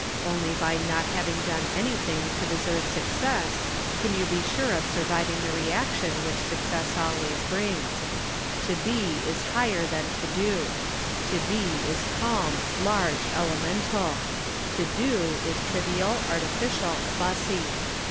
Only by not having done anything to deserve success can you be sure of surviving the reaction which success always brings. To be is higher than to do. To be is calm, large, elemental; to do is trivial, artificial, fussy.